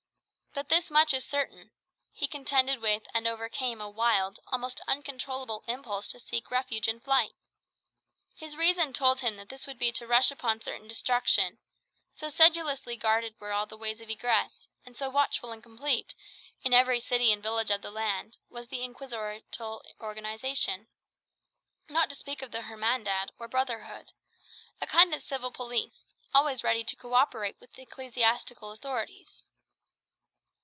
But this much is certain, he contended with and overcame a wild, almost uncontrollable impulse to seek refuge in flight. His reason told him that this would be to rush upon certain destruction: so sedulously guarded were all the ways of egress, and so watchful and complete, in every city and village of the land, was the inquisitorial organization; not to speak of the "Hermandad," or Brotherhood a kind of civil police, always ready to co operate with the ecclesiastical authorities.